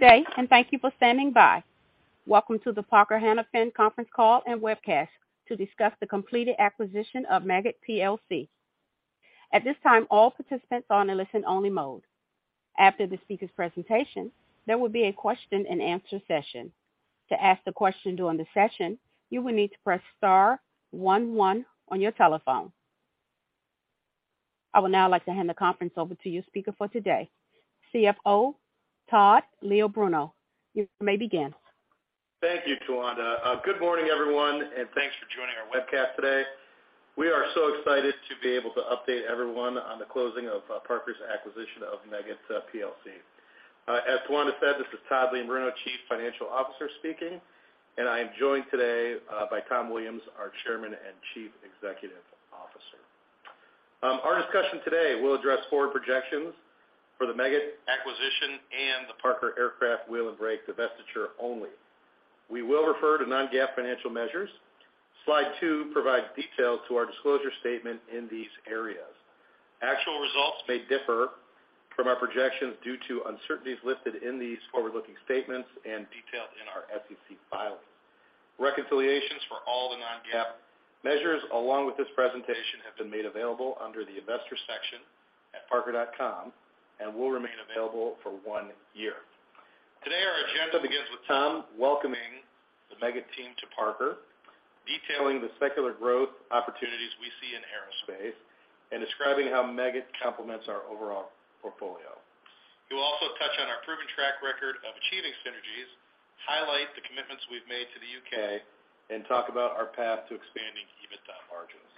Good day, and thank you for standing by. Welcome to the Parker Hannifin conference call and webcast to discuss the completed acquisition of Meggitt PLC. At this time, all participants are in a listen only mode. After the speaker's presentation, there will be a question and answer session. To ask the question during the session, you will need to press star one one on your telephone. I would now like to hand the conference over to the speaker for today, CFO Todd Leombruno. You may begin. Thank you, Tawanda. Good morning, everyone, and thanks for joining our webcast today. We are so excited to be able to update everyone on the closing of Parker's acquisition of Meggitt PLC. As Tawanda said, this is Todd Leombruno, Chief Financial Officer speaking, and I am joined today by Tom Williams, our Chairman and Chief Executive Officer. Our discussion today will address forward projections for the Meggitt acquisition and the Aircraft Wheel and Brake Division divestiture only. We will refer to non-GAAP financial measures. Slide two provides details to our disclosure statement in these areas. Actual results may differ from our projections due to uncertainties listed in these forward-looking statements and detailed in our SEC filings. Reconciliations for all the non-GAAP measures along with this presentation have been made available under the investors section at parker.com and will remain available for one year. Today, our agenda begins with Tom welcoming the Meggitt team to Parker, detailing the secular growth opportunities we see in aerospace, and describing how Meggitt complements our overall portfolio. He will also touch on our proven track record of achieving synergies, highlight the commitments we've made to the U.K., and talk about our path to expanding EBITDA margins.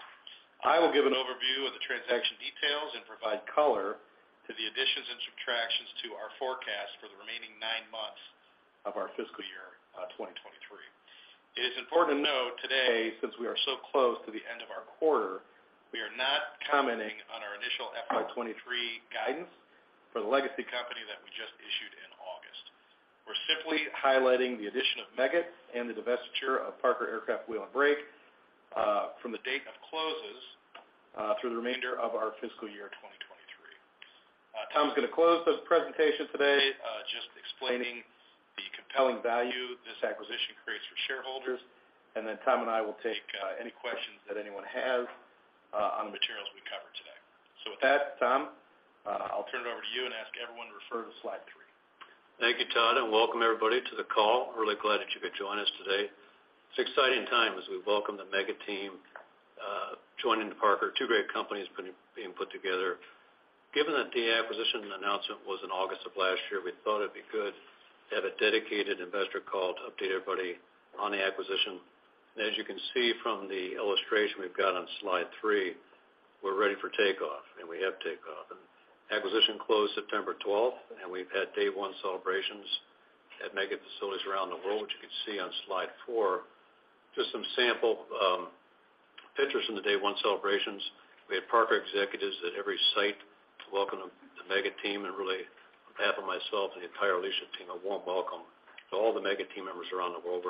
I will give an overview of the transaction details and provide color to the additions and subtractions to our forecast for the remaining nine months of our fiscal year, 2023. It is important to note today, since we are so close to the end of our quarter, we are not commenting on our initial FY 2023 guidance for the legacy company that we just issued in August. We're simply highlighting the addition of Meggitt and the divestiture of Aircraft Wheel and Brake, from the date of close, through the remainder of our fiscal year 2023. Tom's gonna close this presentation today, just explaining the compelling value this acquisition creates for shareholders. Then Tom and I will take any questions that anyone has, on the materials we cover today. With that, Tom, I'll turn it over to you and ask everyone to refer to slide three. Thank you, Todd, and welcome everybody to the call. Really glad that you could join us today. It's an exciting time as we welcome the Meggitt team joining Parker. Two great companies being put together. Given that the acquisition announcement was in August of last year, we thought it'd be good to have a dedicated investor call to update everybody on the acquisition. As you can see from the illustration we've got on slide three, we're ready for takeoff, and we have takeoff. Acquisition closed September 12, and we've had day one celebrations at Meggitt facilities around the world, which you can see on slide four. Just some sample pictures from the day one celebrations. We had Parker executives at every site to welcome the Meggitt team. Really, on behalf of myself and the entire leadership team, a warm welcome to all the Meggitt team members around the world.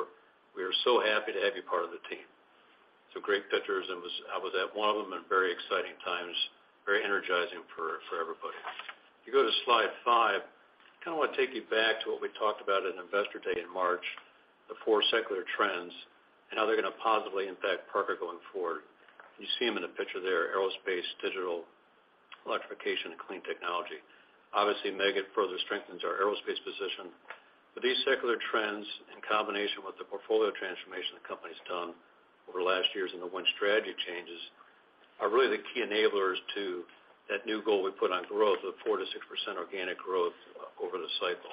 We are so happy to have you part of the team. Great pictures. I was at one of them and very exciting times, very energizing for everybody. If you go to slide five, kind of want to take you back to what we talked about at Investor Day in March, the four secular trends and how they're gonna positively impact Parker going forward. You see them in the picture there, aerospace, digital, electrification, and clean technology. Obviously, Meggitt further strengthens our aerospace position. These secular trends, in combination with the portfolio transformation the company's done over the last years and the Win Strategy changes, are really the key enablers to that new goal we put on growth of 4%-6% organic growth over the cycle.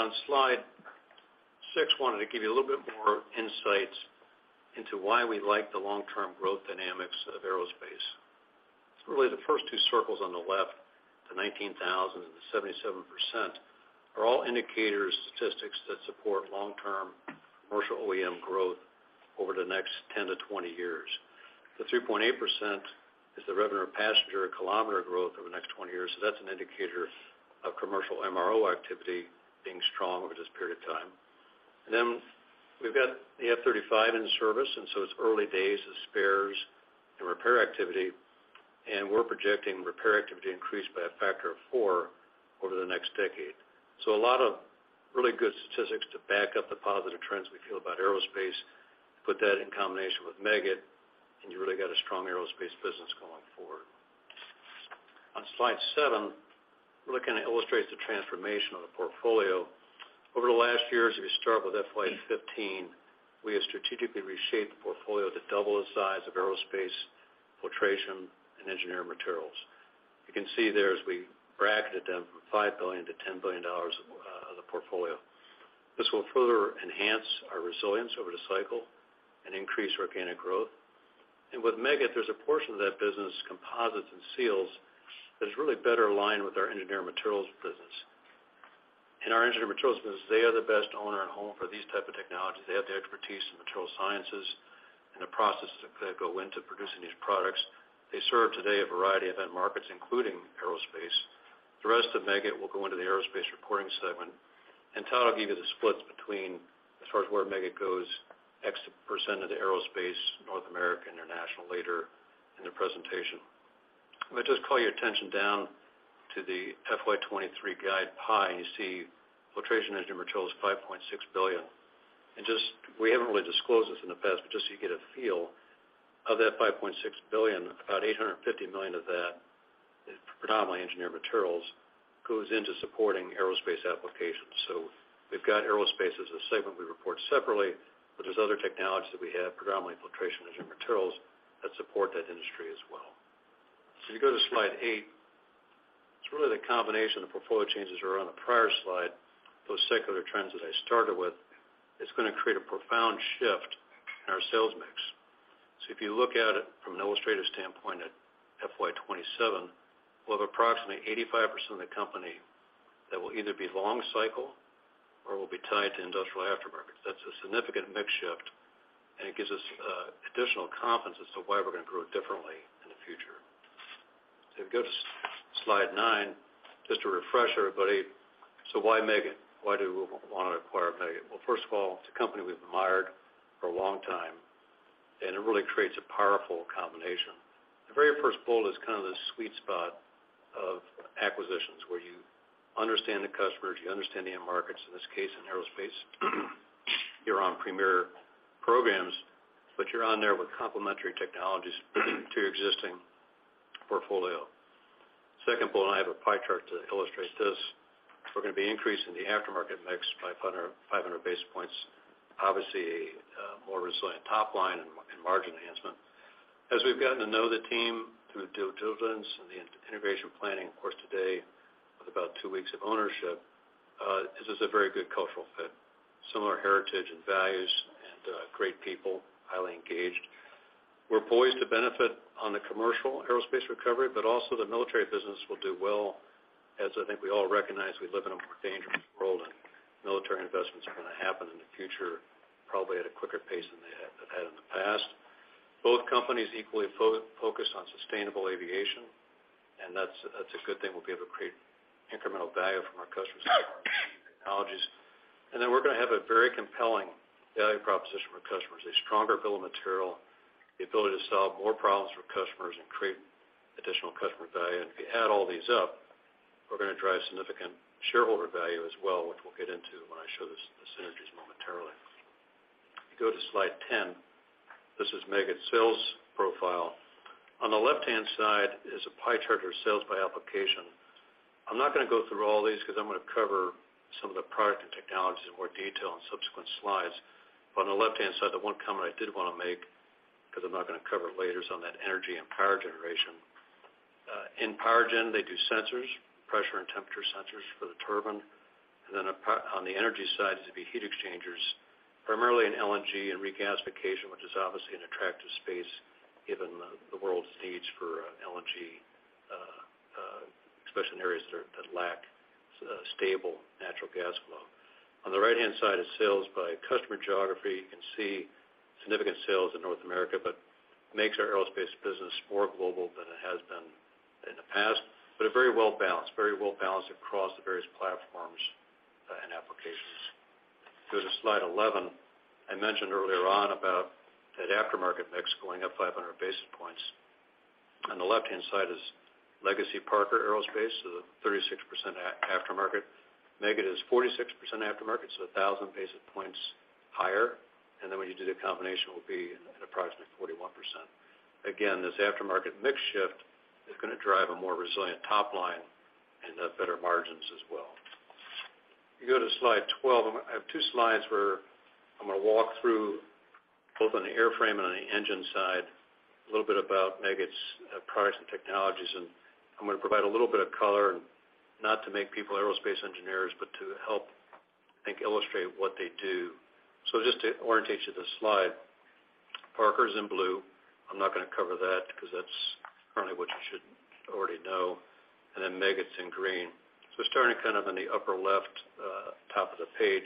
On slide six, wanted to give you a little bit more insights into why we like the long-term growth dynamics of aerospace. It's really the first two circles on the left, the 19,000 and the 77%, are all indicators, statistics that support long-term commercial OEM growth over the next 10-20 years. The 3.8% is the revenue per passenger kilometer growth over the next 20 years. That's an indicator of commercial MRO activity being strong over this period of time. We've got the F-35 in service, and it's early days of spares and repair activity, and we're projecting repair activity increase by a factor of four over the next decade. A lot of really good statistics to back up the positive trends we feel about aerospace. Put that in combination with Meggitt, and you really got a strong aerospace business going forward. On slide seven, it really kind of illustrates the transformation of the portfolio. Over the last years, if you start with FY 2015, we have strategically reshaped the portfolio to double the size of aerospace, filtration, and engineered materials. You can see there as we bracketed them from $5 billion-$10 billion of the portfolio. This will further enhance our resilience over the cycle and increase organic growth. With Meggitt, there's a portion of that business, composites and seals, that is really better aligned with our Engineered Materials business. In our Engineered Materials business, they are the best owner and home for these type of technologies. They have the expertise in material sciences and the processes that go into producing these products. They serve today a variety of end markets, including aerospace. The rest of Meggitt will go into the Aerospace reporting segment. Todd will give you the splits between as far as where Meggitt goes, X% of the Aerospace, North America, International later in the presentation. If I just call your attention down to the FY 2023 guide pie, you see Filtration & Engineered Materials is $5.6 billion. Just, we haven't really disclosed this in the past, but just so you get a feel, of that $5.6 billion, about $850 million of that is predominantly Engineered Materials goes into supporting aerospace applications. We've got aerospace as a segment we report separately, but there's other technologies that we have, predominantly Filtration & Engineered Materials, that support that industry as well. If you go to slide eight, it's really the combination of portfolio changes that are on the prior slide, those secular trends that I started with, it's gonna create a profound shift in our sales mix. If you look at it from an illustrative standpoint at FY 2027, we'll have approximately 85% of the company that will either be long cycle or will be tied to industrial aftermarket. That's a significant mix shift, and it gives us additional confidence as to why we're gonna grow differently in the future. If you go to slide nine, just to refresh everybody, so why Meggitt? Why do we wanna acquire Meggitt? Well, first of all, it's a company we've admired for a long time, and it really creates a powerful combination. The very first bullet is kind of the sweet spot of acquisitions, where you understand the customers, you understand the end markets, in this case in aerospace. You're on premier programs, but you're on there with complementary technologies to your existing portfolio. Second bullet, I have a pie chart to illustrate this. We're gonna be increasing the aftermarket mix by 500 basis points. Obviously, a more resilient top line and margin enhancement. As we've gotten to know the team through due diligence and the integration planning, of course, today with about two weeks of ownership, this is a very good cultural fit. Similar heritage and values and, great people, highly engaged. We're poised to benefit on the commercial aerospace recovery, but also the military business will do well. As I think we all recognize, we live in a more dangerous world, and military investments are gonna happen in the future, probably at a quicker pace than they have had in the past. Both companies equally focused on sustainable aviation, and that's a good thing. We'll be able to create incremental value from our customers technologies. Then we're gonna have a very compelling value proposition for customers, a stronger bill of material, the ability to solve more problems for customers and create additional customer value. If you add all these up, we're gonna drive significant shareholder value as well, which we'll get into when I show the synergies momentarily. If you go to slide 10, this is Meggitt's sales profile. On the left-hand side is a pie chart of sales by application. I'm not gonna go through all these because I'm gonna cover some of the product and technologies in more detail in subsequent slides. On the left-hand side, the one comment I did wanna make, 'cause I'm not gonna cover it later, is on that energy and power generation. In power gen, they do sensors, pressure and temperature sensors for the turbine. On the energy side, it'd be heat exchangers, primarily in LNG and regasification, which is obviously an attractive space given the world's needs for LNG, especially in areas that lack stable natural gas flow. On the right-hand side is sales by customer geography. You can see significant sales in North America, but makes our aerospace business more global than it has been in the past, but very well balanced across the various platforms and applications. If you go to slide 11, I mentioned earlier on about that aftermarket mix going up 500 basis points. On the left-hand side is legacy Parker Aerospace, so the 36% aftermarket. Meggitt is 46% aftermarket, so 1,000 basis points higher. When you do the combination, it will be at approximately 41%. Again, this aftermarket mix shift is gonna drive a more resilient top line and, better margins as well. If you go to slide 12, I have two slides where I'm gonna walk through both on the airframe and on the engine side, a little bit about Meggitt's, products and technologies. I'm gonna provide a little bit of color, and not to make people aerospace engineers, but to help, I think, illustrate what they do. Just to orientate you to the slide, Parker's in blue. I'm not gonna cover that because that's currently what you should already know. Then Meggitt's in green. Starting kind of in the upper left, top of the page,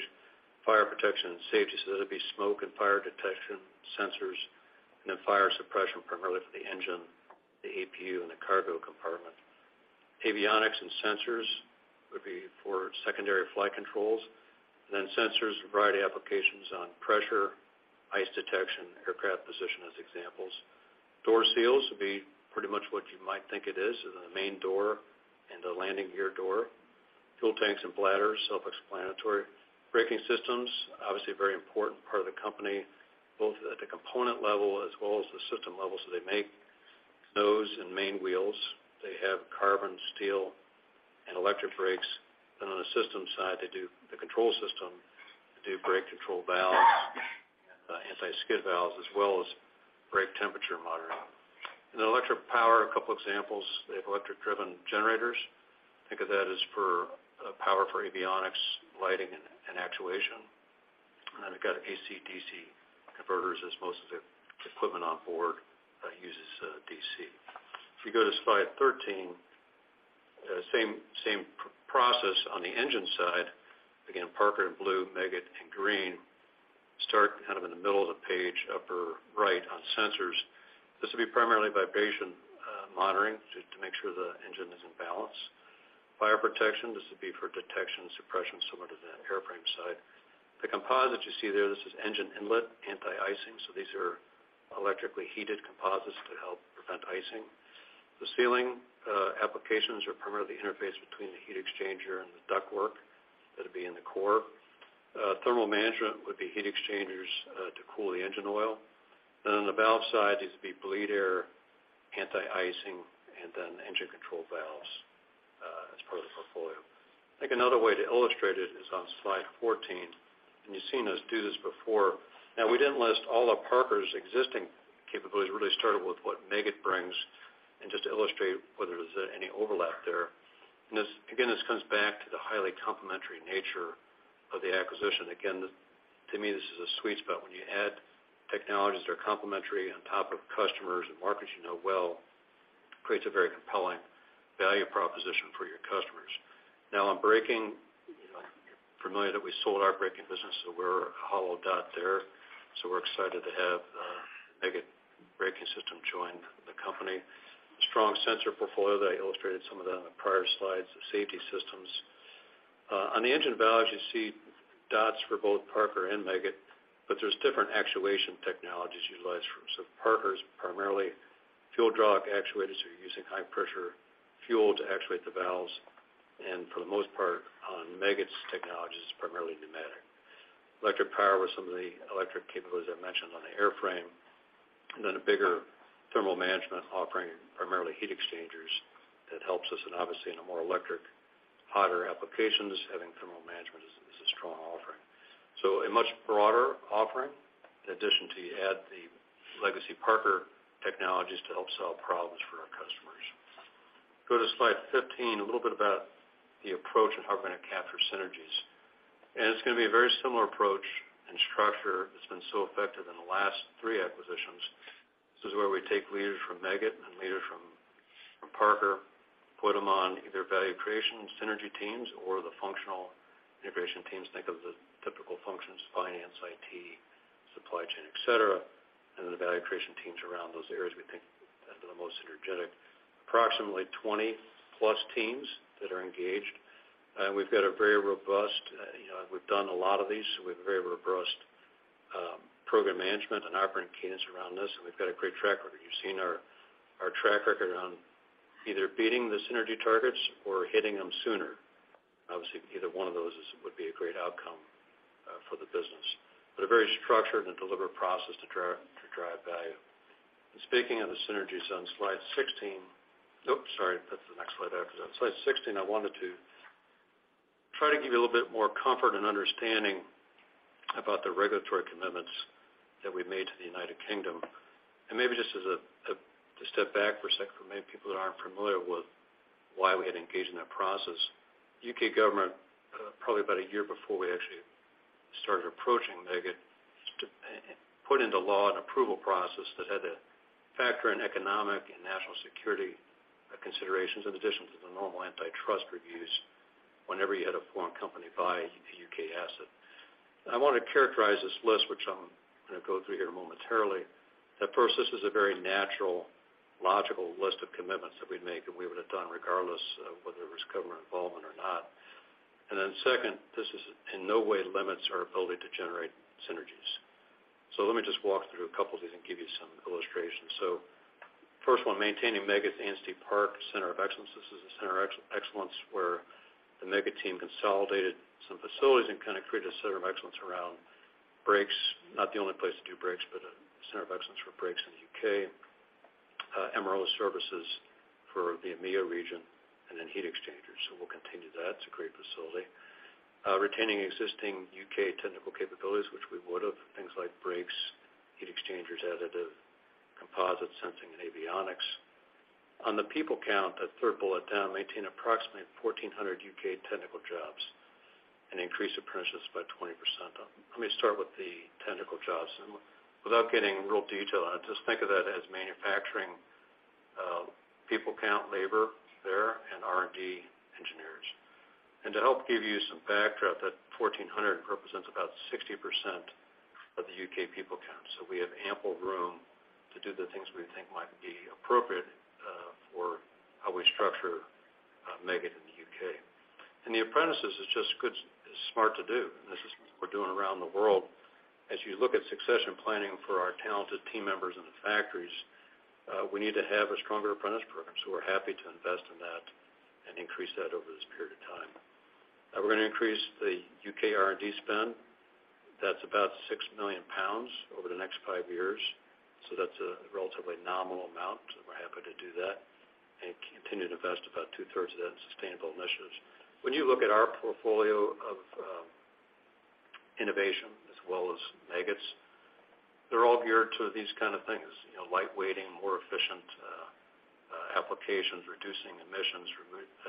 fire protection and safety. That'd be smoke and fire detection sensors, and then fire suppression primarily for the engine, the APU, and the cargo compartment. Avionics and sensors would be for secondary flight controls. Sensors, a variety of applications on pressure, ice detection, aircraft position as examples. Door seals would be pretty much what you might think it is, the main door and the landing gear door. Fuel tanks and bladders, self-explanatory. Braking systems, obviously a very important part of the company, both at the component level as well as the system level. They make nose and main wheels. They have carbon, steel, and electric brakes. On the system side, they do the control system. They do brake control valves, anti-skid valves, as well as brake temperature monitoring. In the electric power, a couple examples. They have electric-driven generators. Think of that as for power for avionics, lighting, and actuation. Then they've got AC/DC converters, as most of the equipment on board uses DC. If you go to slide 13, same process on the engine side. Again, Parker in blue, Meggitt in green. Start kind of in the middle of the page, upper right on sensors. This would be primarily vibration monitoring just to make sure the engine is in balance. Fire protection, this would be for detection and suppression, similar to the airframe side. The composite you see there, this is engine inlet anti-icing, so these are electrically heated composites to help prevent icing. The sealing applications are primarily the interface between the heat exchanger and the ductwork that'd be in the core. Thermal management would be heat exchangers to cool the engine oil. Then on the valve side, these would be bleed air anti-icing, and then engine control valves as part of the portfolio. I think another way to illustrate it is on slide 14, and you've seen us do this before. Now we didn't list all of Parker's existing capabilities. We really started with what Meggitt brings, and just to illustrate whether there's any overlap there. This, again, this comes back to the highly complementary nature of the acquisition. Again, to me, this is a sweet spot. When you add technologies that are complementary on top of customers and markets you know well, it creates a very compelling value proposition for your customers. Now on braking, you know, you're familiar that we sold our braking business, so we're a hollow dot there. We're excited to have Meggitt braking system join the company. Strong sensor portfolio that I illustrated some of that on the prior slides, safety systems. On the engine valves, you see dots for both Parker and Meggitt, but there's different actuation technologies utilized for them. Parker's primarily fuel hydraulic actuators, so you're using high pressure fuel to actuate the valves. For the most part, on Meggitt's technologies, it's primarily pneumatic. Electric power with some of the electric capabilities I mentioned on the airframe. Then a bigger thermal management offering, primarily heat exchangers, that helps us. Obviously, in a more electric, hotter applications, having thermal management is a strong offering. A much broader offering, in addition to add the legacy Parker technologies to help solve problems for our customers. Go to slide 15, a little bit about the approach and how we're gonna capture synergies. It's gonna be a very similar approach and structure that's been so effective in the last three acquisitions. This is where we take leaders from Meggitt and leaders from Parker, put them on either value creation synergy teams or the functional integration teams. Think of the typical functions, finance, IT, supply chain, et cetera, and then the value creation teams around those areas we think that are the most synergistic. Approximately 20-plus teams that are engaged. We've got a very robust, you know, we've done a lot of these, so we have a very robust program management and operating cadence around this, and we've got a great track record. You've seen our track record on either beating the synergy targets or hitting them sooner. Obviously, either one of those would be a great outcome for the business. A very structured and deliberate process to drive value. Speaking of the synergies on slide 16. Oops, sorry, that's the next slide after that. Slide 16, I wanted to try to give you a little bit more comfort and understanding about the regulatory commitments that we made to the United Kingdom. Maybe just to step back for a second for maybe people that aren't familiar with why we had engaged in that process. U.K. government, probably about a year before we actually started approaching Meggitt, put into law an approval process that had to factor in economic and national security considerations in addition to the normal antitrust reviews whenever you had a foreign company buy a U.K. asset. I wanna characterize this list, which I'm gonna go through here momentarily, that first, this is a very natural, logical list of commitments that we'd make, and we would've done regardless of whether there was government involvement or not. Second, this is in no way limits our ability to generate synergies. Let me just walk through a couple of these and give you some illustrations. First one, maintaining Meggitt's Ansty Park Center of Excellence. This is a center excellence where the Meggitt team consolidated some facilities and kind of created a center of excellence around brakes. Not the only place to do brakes, but a center of excellence for brakes in the U.K. MRO services for the EMEA region, and then heat exchangers. We'll continue that. It's a great facility. Retaining existing U.K technical capabilities, which we would've, things like brakes, heat exchangers, additive, composites, sensing, and avionics. On the people count, that third bullet down, maintain approximately 1,400 U.K technical jobs and increase apprentices by 20%. Let me start with the technical jobs. Without getting real detail on it, just think of that as manufacturing, people count, labor there, and R&D engineers. To help give you some backdrop, that 1,400 represents about 60% of the U.K people count. We have ample room to do the things we think might be appropriate for how we structure Meggitt in the U.K. The apprentices is just good and smart to do, and this is what we're doing around the world. As you look at succession planning for our talented team members in the factories, we need to have a stronger apprentice program, so we're happy to invest in that and increase that over this period of time. We're gonna increase the U.K R&D spend. That's about 6 million pounds over the next five years, so that's a relatively nominal amount, and we're happy to do that and continue to invest about two-thirds of that in sustainable initiatives. When you look at our portfolio of innovation as well as Meggitt's, they're all geared to these kind of things, you know, lightweighting, more efficient applications, reducing emissions,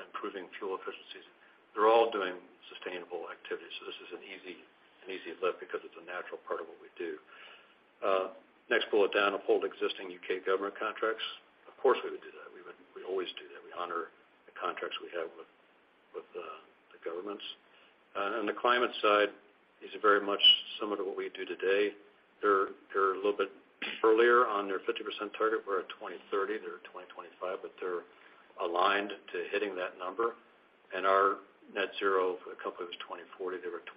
improving fuel efficiencies. They're all doing sustainable activities, so this is an easy lift because it's a natural part of what we do. Next bullet down, uphold existing U.K government contracts. Of course, we would do that. We always do that. We honor the contracts we have with the governments. On the climate side is very much similar to what we do today. They're a little bit earlier on their 50% target. We're at 2030, they're at 2025, but they're aligned to hitting that number. Our net zero for the company was 2040, they were at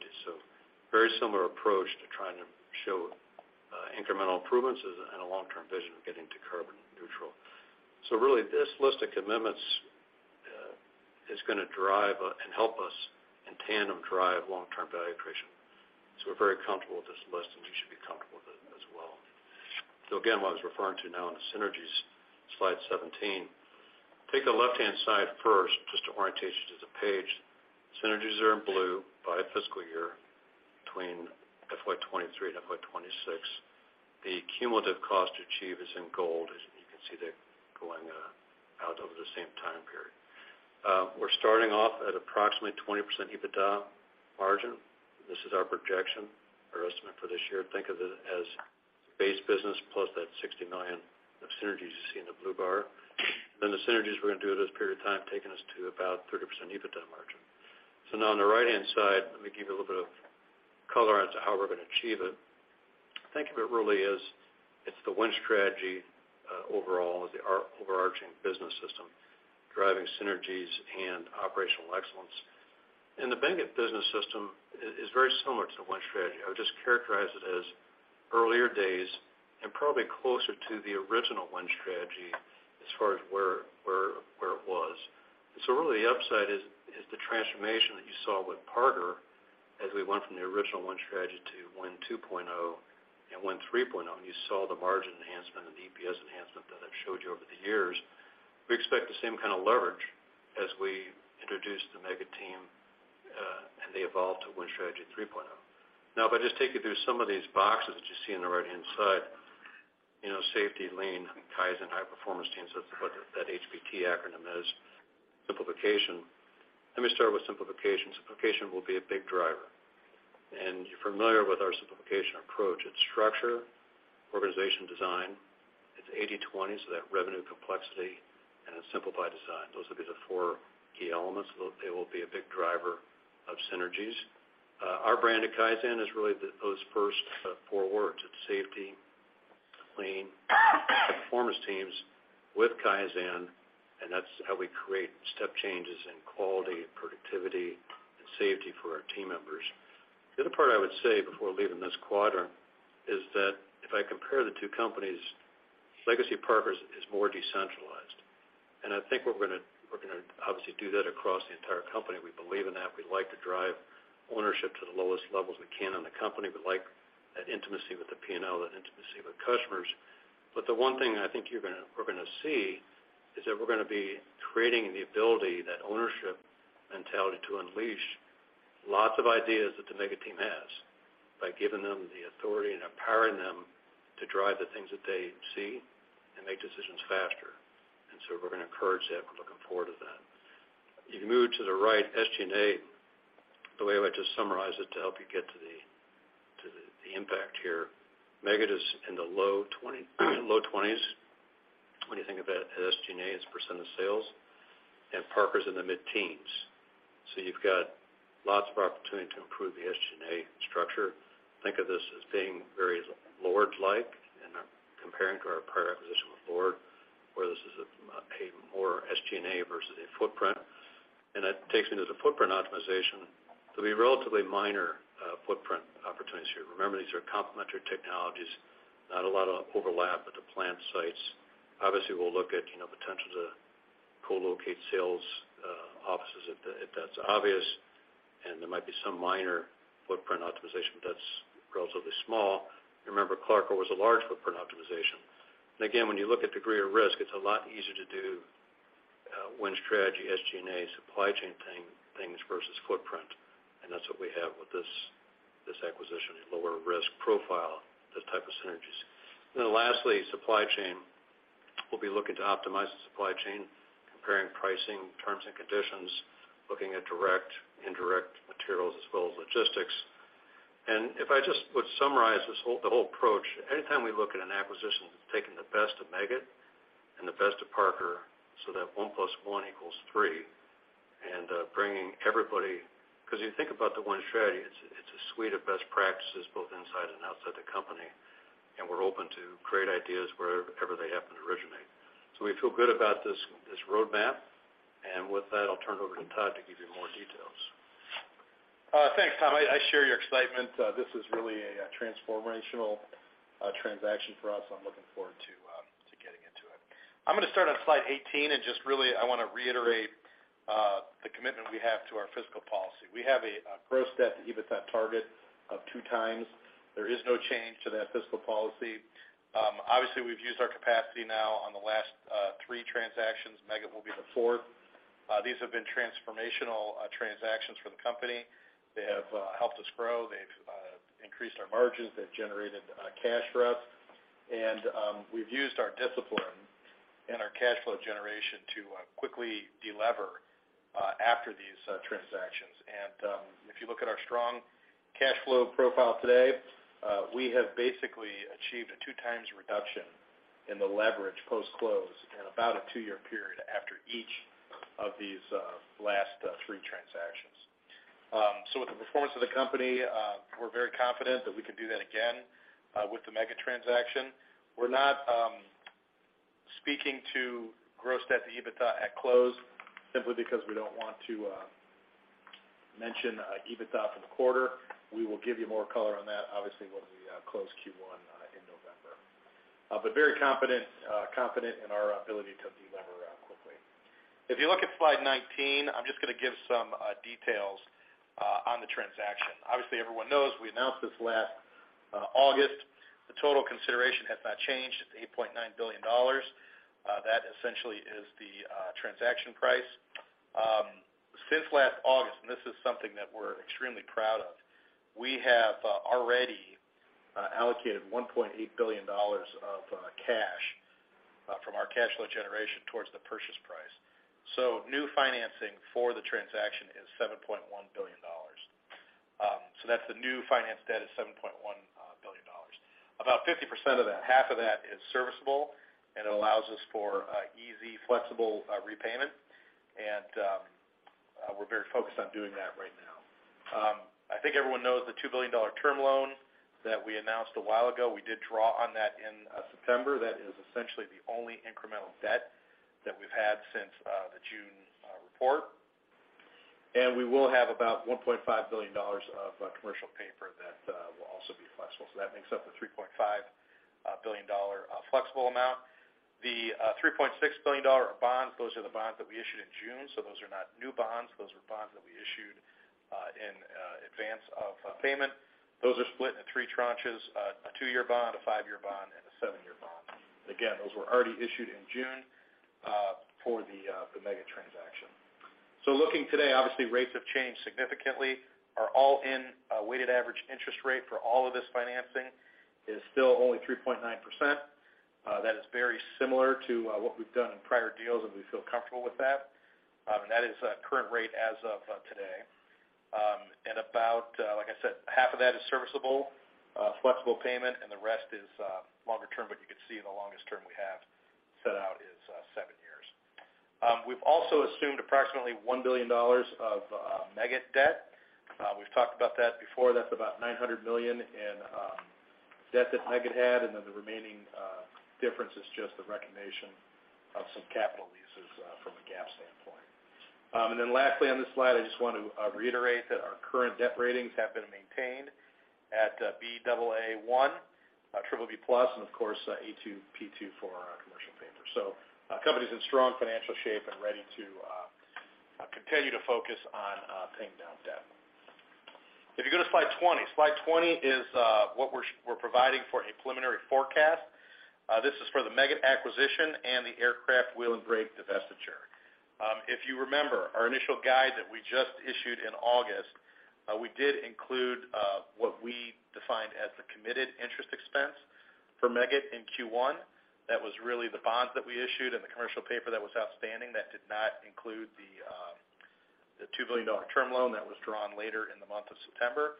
2050. Very similar approach to trying to show incremental improvements and a long-term vision of getting to carbon neutral. Really, this list of commitments is gonna drive and help us in tandem drive long-term value creation. We're very comfortable with this list, and you should be comfortable with it as well. Again, what I was referring to now on the synergies, slide 17. Take the left-hand side first, just to orientate you to the page. Synergies are in blue by fiscal year between FY 2023 and FY 2026. The cumulative cost to achieve is in gold, as you can see there going out over the same time period. We're starting off at approximately 20% EBITDA margin. This is our projection, our estimate for this year. Think of it as the base business plus that $60 million of synergies you see in the blue bar. Then the synergies we're gonna do over this period of time, taking us to about 30% EBITDA margin. Now on the right-hand side, let me give you a little bit of color as to how we're gonna achieve it. Think of it really as it's the Win Strategy, overall, the overarching business system, driving synergies and operational excellence. The Meggitt business system is very similar to the Win Strategy. I would just characterize it as earlier days and probably closer to the original Win Strategy as far as where it was. Really the upside is the transformation that you saw with Parker as we went from the original Win Strategy to Win 2.0 and Win 3.0, and you saw the margin enhancement and the EPS enhancement that I've showed you over the years. We expect the same kind of leverage as we introduce the Meggitt team, and they evolve to Win Strategy 3.0. Now, if I just take you through some of these boxes that you see on the right-hand side, you know, safety, lean, Kaizen, high performance teams, that's what that HPT acronym is, simplification. Let me start with simplification. Simplification will be a big driver. You're familiar with our simplification approach. It's structure, organization design, it's 80/20, so that revenue complexity, and it's simplify design. Those will be the four key elements. They will be a big driver of synergies. Our brand at Kaizen is really those first four words. It's safety, lean, performance teams with Kaizen, and that's how we create step changes in quality and productivity and safety for our team members. The other part I would say before leaving this quadrant is that if I compare the two companies, legacy Parker is more decentralized. I think we're gonna obviously do that across the entire company. We believe in that. We like to drive ownership to the lowest levels we can in the company. We like that intimacy with the P&L, that intimacy with customers. The one thing I think we're gonna see is that we're gonna be creating the ability, that ownership mentality to unleash lots of ideas that the Meggitt team has by giving them the authority and empowering them to drive the things that they see and make decisions faster. We're gonna encourage that. We're looking forward to that. If you move to the right, SG&A, the way I would just summarize it to help you get to the impact here, Meggitt is in the low 20s when you think about as SG&A as % of sales, and Parker's in the mid-teens. You've got lots of opportunity to improve the SG&A structure. Think of this as being very LORD-like, and comparing to our prior acquisition with LORD, where this is a more SG&A versus a footprint. That takes me to the footprint optimization. There'll be relatively minor footprint opportunities here. Remember, these are complementary technologies, not a lot of overlap at the plant sites. Obviously, we'll look at, you know, potential to co-locate sales offices if that's obvious, and there might be some minor footprint optimization, but that's relatively small. Remember, CLARCOR was a large footprint optimization. Again, when you look at degree of risk, it's a lot easier to do Win Strategy, SG&A, supply chain things versus footprint. That's what we have with this acquisition, a lower risk profile, those type of synergies. Then lastly, supply chain. We'll be looking to optimize the supply chain, comparing pricing, terms and conditions, looking at direct, indirect materials as well as logistics. If I just would summarize the whole approach, anytime we look at an acquisition, it's taking the best of Meggitt and the best of Parker so that one plus one equals three, and bringing everybody. 'Cause you think about the Win Strategy, it's a suite of best practices both inside and outside the company, and we're open to great ideas wherever they happen to originate. We feel good about this roadmap. With that, I'll turn it over to Todd to give you more details. Thanks, Tom. I share your excitement. This is really a transformational transaction for us. I'm looking forward to getting into it. I'm gonna start on slide 18, and just really, I wanna reiterate the commitment we have to our fiscal policy. We have a gross debt to EBITDA target of 2x. There is no change to that fiscal policy. Obviously, we've used our capacity now on the last 3 transactions. Meggitt will be the fourth. These have been transformational transactions for the company. They have helped us grow. They've increased our margins. They've generated cash for us. We've used our discipline and our cash flow generation to quickly delever after these transactions. If you look at our strong cash flow profile today, we have basically achieved a 2x reduction in the leverage post-close in about a 2-year period after each of these last 3 transactions. With the performance of the company, we're very confident that we can do that again with the Meggitt transaction. We're not speaking to gross debt to EBITDA at close simply because we don't want to mention EBITDA for the quarter. We will give you more color on that, obviously, when we close Q1 in November. Very confident in our ability to delever quickly. If you look at slide 19, I'm just gonna give some details on the transaction. Obviously, everyone knows we announced this last August. The total consideration has not changed. It's $8.9 billion. That essentially is the transaction price. Since last August, and this is something that we're extremely proud of, we have already allocated $1.8 billion of cash from our cash flow generation towards the purchase price. New financing for the transaction is $7.1 billion. That's the new finance debt is $7.1 billion. About 50% of that, half of that is serviceable, and it allows us for easy, flexible repayment. We're very focused on doing that right now. I think everyone knows the $2 billion term loan that we announced a while ago. We did draw on that in September. That is essentially the only incremental debt that we've had since the June report. We will have about $1.5 billion of commercial paper that will also be flexible. That makes up the $3.5 billion-dollar flexible amount. The $3.6 billion of bonds, those are the bonds that we issued in June. Those are not new bonds. Those are bonds that we issued in advance of a payment. Those are split into three tranches, a 2-year bond, a 5-year bond, and a 7-year bond. Again, those were already issued in June for the Meggitt transaction. Looking today, obviously rates have changed significantly. Our all-in weighted average interest rate for all of this financing is still only 3.9%. That is very similar to what we've done in prior deals, and we feel comfortable with that. That is current rating as of today. About, like I said, half of that is serviceable flexible payment, and the rest is longer term, but you can see the longest term we have set out is 7 years. We've also assumed approximately $1 billion of Meggitt debt. We've talked about that before. That's about $900 million in debt that Meggitt had, and then the remaining difference is just the recognition of some capital leases from a GAAP standpoint. Then lastly on this slide, I just want to reiterate that our current debt ratings have been maintained at Baa1, BBB+, and of course, A2/P2 for our commercial paper. Company's in strong financial shape and ready to continue to focus on paying down debt. If you go to slide 20, slide 20 is what we're providing for a preliminary forecast. This is for the Meggitt acquisition and the Aircraft Wheel and Brake divestiture. If you remember, our initial guide that we just issued in August, we did include what we defined as the committed interest expense for Meggitt in Q1. That was really the bonds that we issued and the commercial paper that was outstanding. That did not include the $2 billion term loan that was drawn later in the month of September.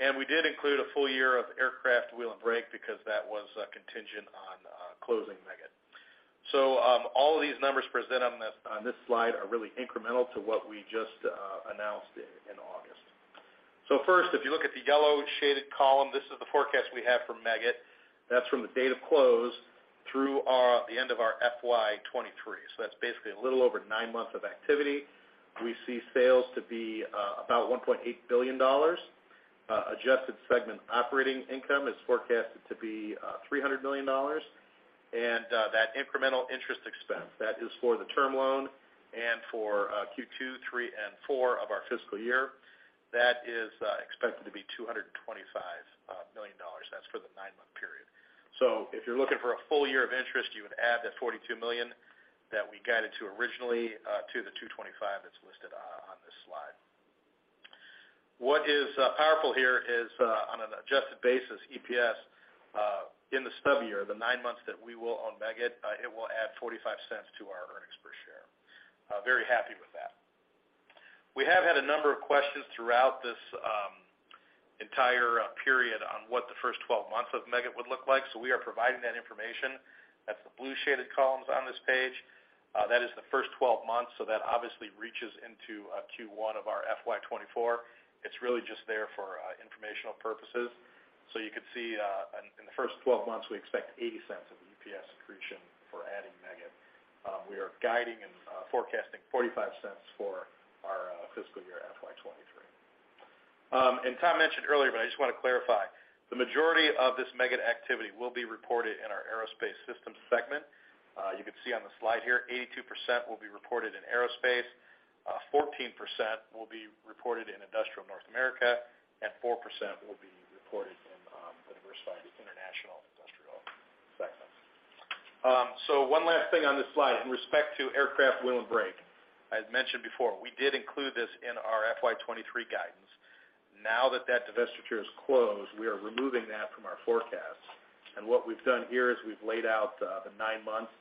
We did include a full year of Aircraft Wheel and Brake because that was contingent on closing Meggitt. All of these numbers presented on this slide are really incremental to what we just announced in August. First, if you look at the yellow shaded column, this is the forecast we have for Meggitt. That's from the date of close through the end of our FY 2023. That's basically a little over nine months of activity. We see sales to be about $1.8 billion. Adjusted segment operating income is forecasted to be $300 million. That incremental interest expense, that is for the term loan and for Q2, Q3, and Q4 of our fiscal year. That is expected to be $225 million. That's for the nine-month period. If you're looking for a full year of interest, you would add that $42 million that we guided to originally to the $225 that's listed on this slide. What is powerful here is on an adjusted basis, EPS in the stub year, the nine months that we will own Meggitt, it will add $0.45 to our earnings per share. Very happy with that. We have had a number of questions throughout this entire period on what the first 12 months of Meggitt would look like, so we are providing that information. That's the blue shaded columns on this page. That is the first 12 months, so that obviously reaches into Q1 of our FY 2024. It's really just there for informational purposes. You can see, in the first 12 months, we expect $0.80 of EPS accretion for adding Meggitt. We are guiding and forecasting $0.45 for our fiscal year FY 2023. Tom mentioned earlier, I just wanna clarify, the majority of this Meggitt activity will be reported in our Aerospace Systems segment. You can see on the slide here, 82% will be reported in Aerospace, 14% will be reported in Industrial North America, and 4% will be reported in the Diversified International and Industrial segments. One last thing on this slide, in respect to Aircraft Wheel and Brake, I had mentioned before, we did include this in our FY 2023 guidance. Now that the divestiture is closed, we are removing that from our forecast. What we've done here is we've laid out the nine months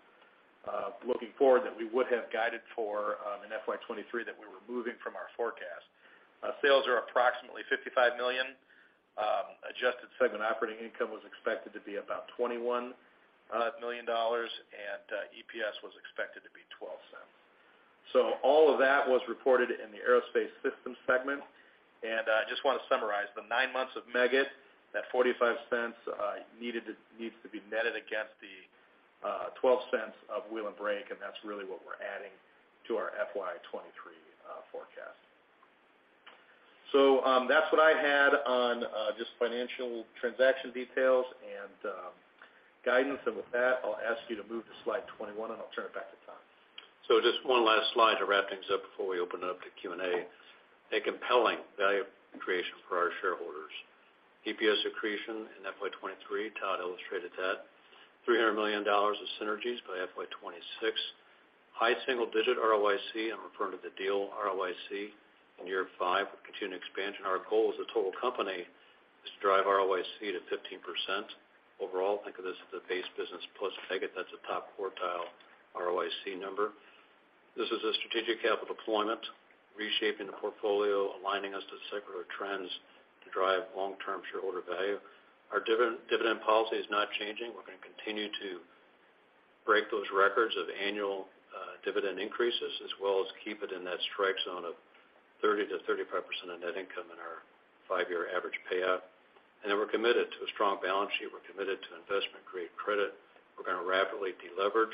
looking forward that we would have guided for in FY 2023 that we were moving from our forecast. Sales are approximately $55 million. Adjusted segment operating income was expected to be about $21 million, and EPS was expected to be $0.12. All of that was reported in the Aerospace Systems segment. I just wanna summarize the nine months of Meggitt, that $0.45 needs to be netted against the $0.12 of Wheel and Brake, and that's really what we're adding to our FY 2023 forecast. That's what I had on just financial transaction details and guidance. With that, I'll ask you to move to slide 21, and I'll turn it back to Tom. Just one last slide to wrap things up before we open it up to Q&A. A compelling value creation for our shareholders. EPS accretion in FY 2023, Todd illustrated that. $300 million of synergies by FY 2026. High single-digit ROIC, I'm referring to the deal ROIC in year 5 with continued expansion. Our goal as a total company is to drive ROIC to 15% overall. Think of this as the base business plus Meggitt. That's a top quartile ROIC number. This is a strategic capital deployment, reshaping the portfolio, aligning us to secular trends to drive long-term shareholder value. Our dividend policy is not changing. We're gonna continue to break those records of annual dividend increases, as well as keep it in that strike zone of 30%-35% of net income in our 5-year average payout. We're committed to a strong balance sheet. We're committed to investment grade credit. We're gonna rapidly deleverage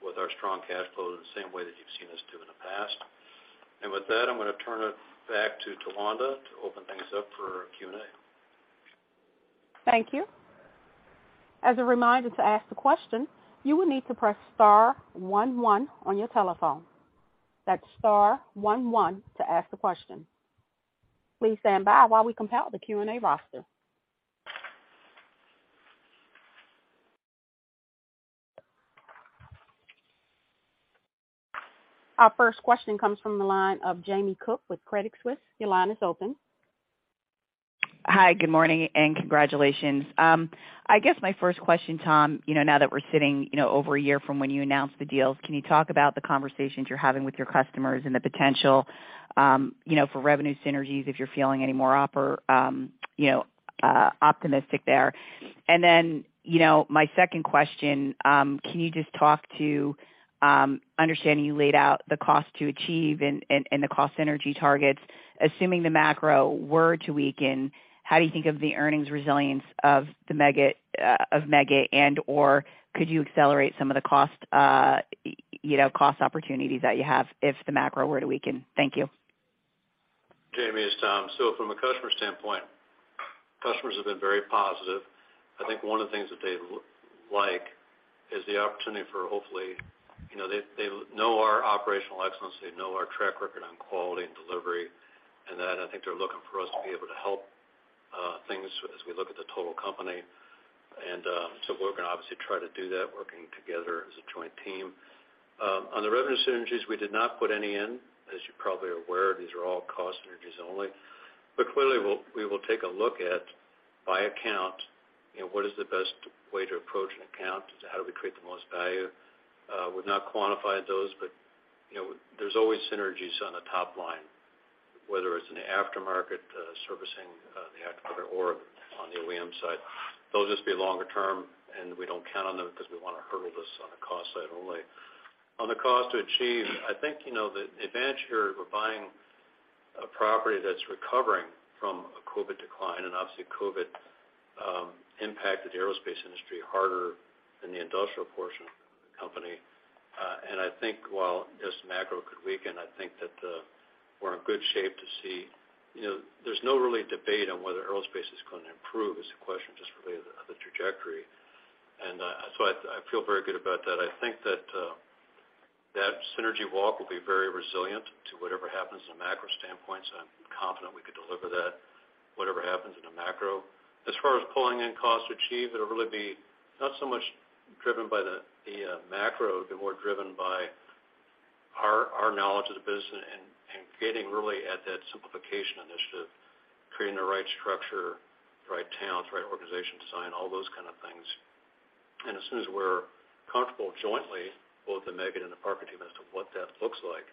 with our strong cash flow in the same way that you've seen us do in the past. With that, I'm gonna turn it back to Tawanda to open things up for Q&A. Thank you. As a reminder to ask the question, you will need to press star one one on your telephone. That's star one one to ask the question. Please stand by while we compile the Q&A roster. Our first question comes from the line of Jamie Cook with Credit Suisse. Your line is open. Hi, good morning and congratulations. I guess my first question, Tom, you know, now that we're sitting, you know, over a year from when you announced the deals, can you talk about the conversations you're having with your customers and the potential, you know, for revenue synergies if you're feeling any more optimistic there? You know, my second question, can you just talk to understanding you laid out the cost to achieve and the cost synergy targets. Assuming the macro were to weaken, how do you think of the earnings resilience of the Meggitt, of Meggitt and/or could you accelerate some of the cost, you know, cost opportunities that you have if the macro were to weaken? Thank you. Jamie, it's Tom. From a customer standpoint, customers have been very positive. I think one of the things that they like is the opportunity for, hopefully, you know, they know our operational excellence, they know our track record on quality and delivery, and that I think they're looking for us to be able to help things as we look at the total company. We're gonna obviously try to do that working together as a joint team. On the revenue synergies, we did not put any in. As you probably are aware, these are all cost synergies only. Clearly, we will take a look at by account, you know, what is the best way to approach an account? How do we create the most value? We've not quantified those, but, you know, there's always synergies on the top line, whether it's in the aftermarket, servicing the aftermarket or on the OEM side. They'll just be longer term, and we don't count on them because we wanna hurdle this on a cost side only. On the cost to achieve, I think, you know, the advantage here, we're buying a property that's recovering from a COVID decline, and obviously COVID impacted the aerospace industry harder than the industrial portion of the company. I think while this macro could weaken, I think that, we're in good shape to see, you know, there's no real debate on whether aerospace is gonna improve. It's a question just related to the trajectory. I feel very good about that. I think that synergy walk will be very resilient to whatever happens in the macro standpoint, so I'm confident we could deliver that whatever happens in the macro. As far as pulling in cost to achieve, it'll really be not so much driven by the macro. It'd be more driven by our knowledge of the business and getting really at that simplification initiative, creating the right structure, right talents, right organization design, all those kind of things. As soon as we're comfortable jointly, both in Meggitt and the Parker team as to what that looks like,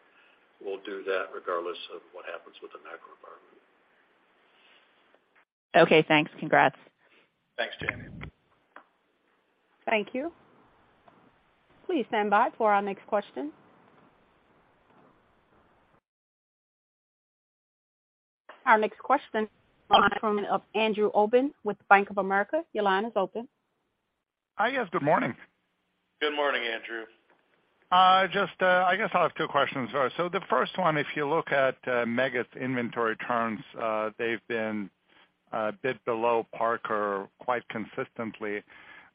we'll do that regardless of what happens with the macro environment. Okay, thanks. Congrats. Thanks, Jamie. Thank you. Please stand by for our next question. Our next question comes from Andrew Obin with Bank of America. Your line is open. Hi, yes, good morning. Good morning, Andrew. Just, I guess I'll have two questions for you. The first one, if you look at Meggitt's inventory turns, they've been a bit below Parker quite consistently.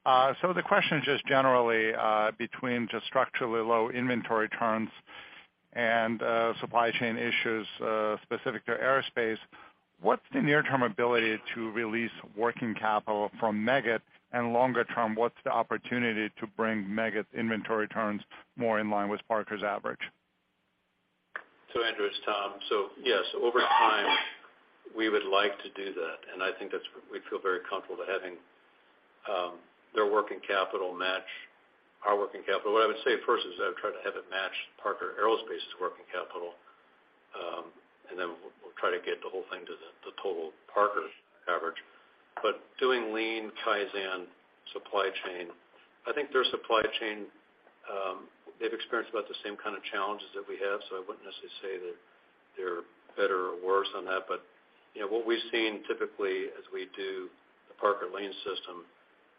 The question is just generally, between just structurally low inventory turns and supply chain issues specific to aerospace, what's the near-term ability to release working capital from Meggitt? Longer term, what's the opportunity to bring Meggitt's inventory turns more in line with Parker's average? Andrew, it's Tom. Yes, over time, we would like to do that, and I think we feel very comfortable with having their working capital match our working capital. What I would say first is I would try to have it match Parker Aerospace's working capital, and then we'll try to get the whole thing to the total Parker's coverage. Doing lean Kaizen supply chain, I think their supply chain, they've experienced about the same kind of challenges that we have, so I wouldn't necessarily say that they're better or worse on that. You know, what we've seen typically as we do the Parker lean system,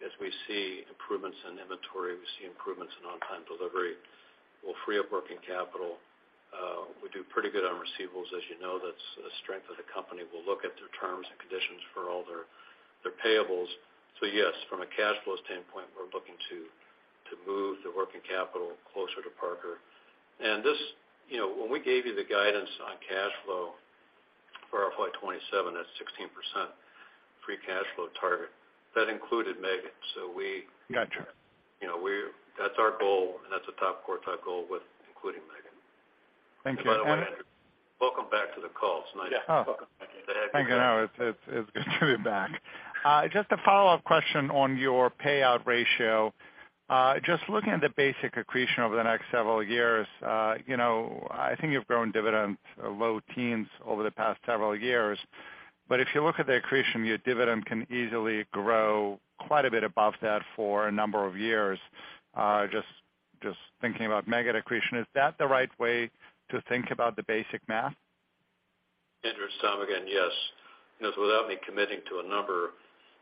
is we see improvements in inventory, we see improvements in on-time delivery. We'll free up working capital. We do pretty good on receivables. As you know, that's a strength of the company. We'll look at their terms and conditions for all their payables. Yes, from a cash flow standpoint, we're looking to move the working capital closer to Parker. This, you know, when we gave you the guidance on cash flow for our FY 2027, that 16% free cash flow target, that included Meggitt. We- Gotcha. You know, that's our goal, and that's a top priority goal including Meggitt. Thank you. By the way, Andrew, welcome back to the call. It's nice. Yeah. Welcome back. To have you back. Thank you. No, it's good to be back. Just a follow-up question on your payout ratio. Just looking at the basic accretion over the next several years, you know, I think you've grown dividends low teens over the past several years. If you look at the accretion, your dividend can easily grow quite a bit above that for a number of years. Just thinking about Meggitt accretion, is that the right way to think about the basic math? Andrew, it's Tom again. Yes. You know, without me committing to a number,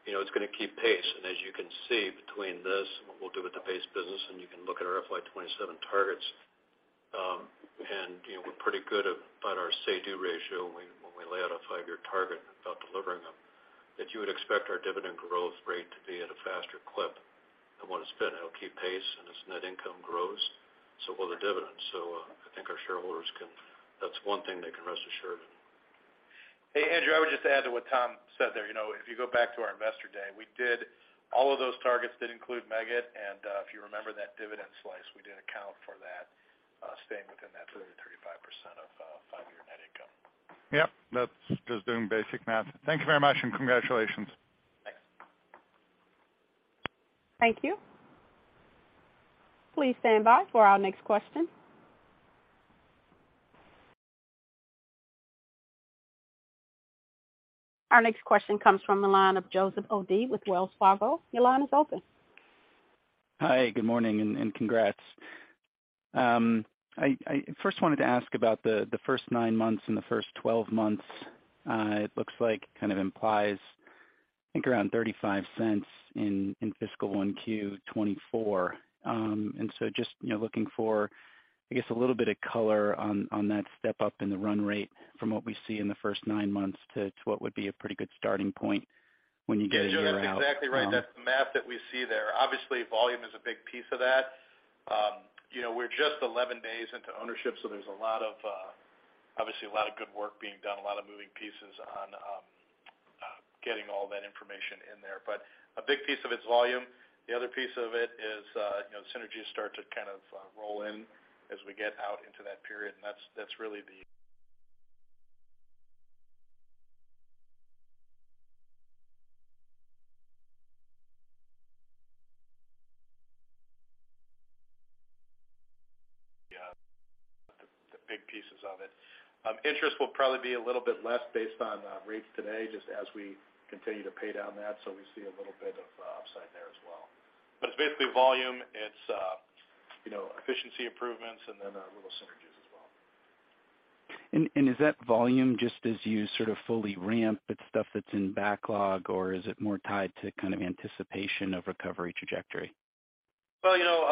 you know, it's gonna keep pace. As you can see between this and what we'll do with the base business, and you can look at our FY 2027 targets, and, you know, we're pretty good about our say-do ratio when we lay out a five-year target about delivering them, that you would expect our dividend growth rate to be at a faster clip than what it's been. It'll keep pace, and as net income grows, so will the dividends. I think our shareholders can. That's one thing they can rest assured. Hey, Andrew Obin, I would just add to what Tom Williams said there. You know, if you go back to our Investor Day, we did all of those targets that include Meggitt. If you remember that dividend slide, we did account for that, staying within that 30%-35% of five-year net income. Yep. That's just doing basic math. Thank you very much, and congratulations. Thanks. Thank you. Please stand by for our next question. Our next question comes from the line of Joseph O'Dea with Wells Fargo. Your line is open. Hi, good morning and congrats. I first wanted to ask about the first nine months and the first twelve months. It looks like kind of implies, I think around $0.35 in fiscal Q1 2024. Just, you know, looking for, I guess, a little bit of color on that step up in the run rate from what we see in the first nine months to what would be a pretty good starting point when you get a year out. Yeah, Joe, that's exactly right. That's the math that we see there. Obviously, volume is a big piece of that. You know, we're just 11 days into ownership, so there's obviously a lot of good work being done, a lot of moving pieces on getting all that information in there. A big piece of it's volume. The other piece of it is synergies start to kind of roll in as we get out into that period. That's really the big pieces of it. Interest will probably be a little bit less based on rates today just as we continue to pay down that, so we see a little bit of upside there as well. It's basically volume. It's, you know, efficiency improvements and then little synergies as well. Is that volume just as you sort of fully ramp, it's stuff that's in backlog, or is it more tied to kind of anticipation of recovery trajectory? Well, you know,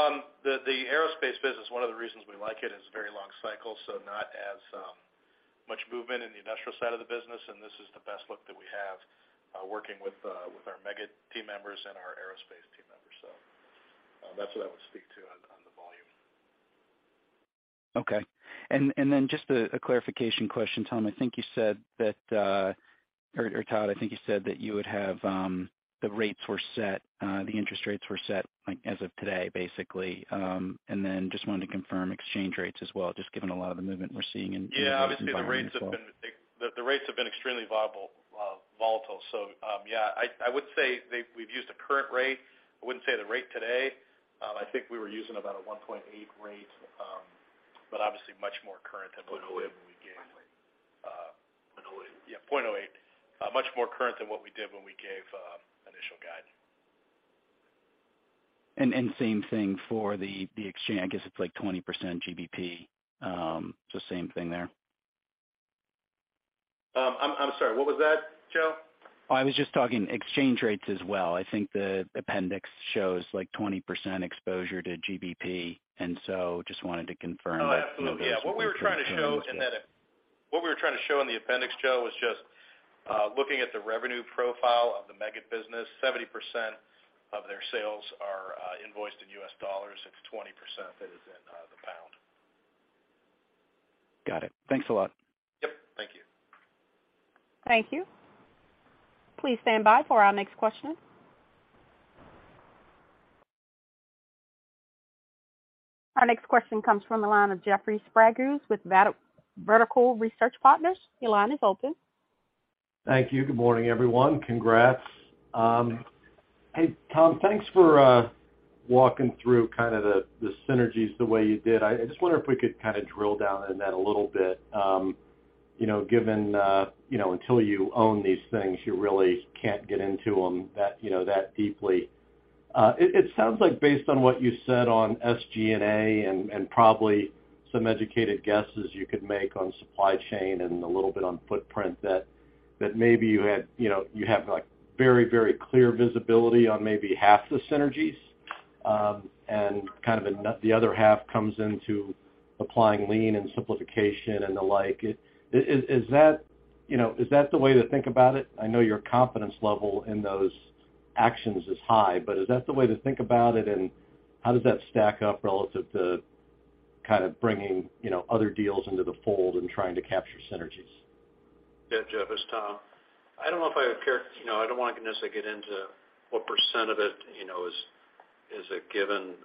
the aerospace business, one of the reasons we like it is very long cycle, so not as much movement in the industrial side of the business, and this is the best look that we have, working with our Meggitt team members and our aerospace team members. That's what I would speak to on the volume. Okay. Just a clarification question, Tom. I think you said that, or Todd, I think you said that you would have the interest rates were set, like, as of today, basically. Just wanted to confirm exchange rates as well, just given a lot of the movement we're seeing in those environments as well. Yeah, obviously, the rates have been extremely volatile. I would say we've used a current rate. I wouldn't say the rate today. I think we were using about a 1.8 rate, but obviously much more current than what we gave. 0.08. Yeah, 0.08. Much more current than what we did when we gave initial guidance. Same thing for the exchange. I guess it's like 20% GBP. I'm sorry. What was that, Joe? Oh, I was just talking exchange rates as well. I think the appendix shows like 20% exposure to GBP. Just wanted to confirm that. Oh, absolutely. Yeah. What we were trying to show in the Those were pretty similar. What we were trying to show in the appendix, Joe, was just looking at the revenue profile of the Meggitt business, 70% of their sales are invoiced in U.S. dollars, and 20% of it is in the pound. Got it. Thanks a lot. Yep. Thank you. Thank you. Please stand by for our next question. Our next question comes from the line of Jeffrey Sprague with Vertical Research Partners. Your line is open. Thank you. Good morning, everyone. Congrats. Hey, Tom, thanks for walking through kind of the synergies the way you did. I just wonder if we could kinda drill down in that a little bit, you know, given you know, until you own these things, you really can't get into them that deeply. It sounds like based on what you said on SG&A and probably some educated guesses you could make on supply chain and a little bit on footprint that maybe you have, like, very, very clear visibility on maybe half the synergies, and kind of in the other half comes into applying lean and simplification and the like. Is that the way to think about it? I know your confidence level in those actions is high, but is that the way to think about it? How does that stack up relative to kind of bringing, you know, other deals into the fold and trying to capture synergies? Yeah, Jeff, it's Tom. I don't know if I would, you know, I don't wanna necessarily get into what percent of it, you know, is a given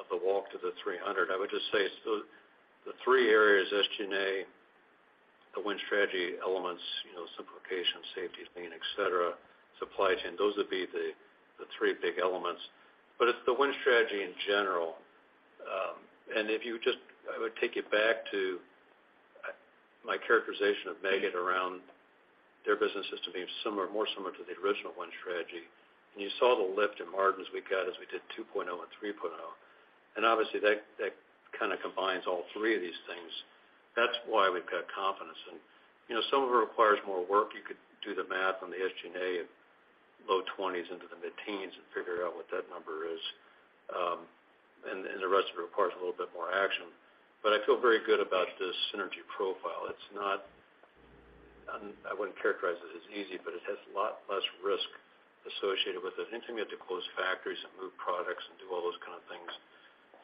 of the walk to the 300. I would just say the three areas, SG&A, the Win Strategy elements, you know, simplification, safety, lean, et cetera, supply chain, those would be the three big elements. It's the Win Strategy in general. If you just, I would take it back to my characterization of Meggitt around their business system being similar, more similar to the original Win Strategy. You saw the lift in margins we got as we did 2.0 and 3.0. Obviously, that kinda combines all three of these things. That's why we've got confidence. You know, some of it requires more work. You could do the math on the SG&A at low 20s% into the mid-teens% and figure out what that number is. The rest of it requires a little bit more action. I feel very good about the synergy profile. I wouldn't characterize it as easy, but it has a lot less risk associated with it. Anything we have to close factories and move products and do all those kind of things,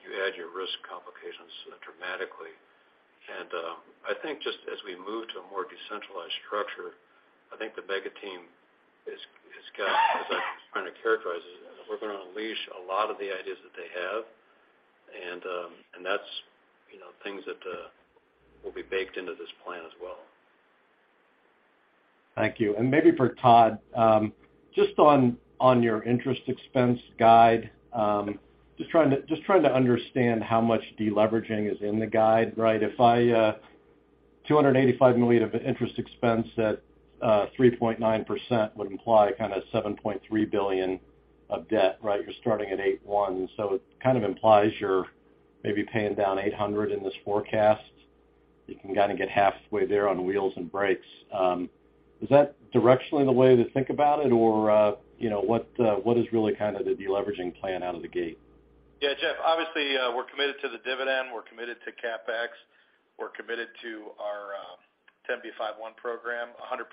you add your risk complications dramatically. I think just as we move to a more decentralized structure, I think the Meggitt team is got, as I'm trying to characterize it, we're gonna unleash a lot of the ideas that they have, and that's, you know, things that will be baked into this plan as well. Thank you. Maybe for Todd, just on your interest expense guide, just trying to understand how much deleveraging is in the guide, right? If I, $285 million of interest expense at 3.9% would imply kinda $7.3 billion of debt, right? You're starting at $8.1 billion, so it kind of implies you're maybe paying down $800 million in this forecast. You can kinda get halfway there on wheels and brakes. Is that directionally the way to think about it? Or, you know, what is really kinda the deleveraging plan out of the gate? Yeah, Jeff, obviously, we're committed to the dividend, we're committed to CapEx, we're committed to our 10b5-1 program. 100%